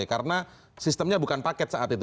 karena sistemnya bukan paket saat itu